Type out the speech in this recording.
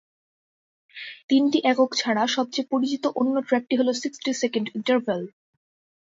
তিনটি একক ছাড়া, সবচেয়ে পরিচিত অন্য ট্র্যাকটি হল "সিক্সটি সেকেন্ড ইন্টারভাল"।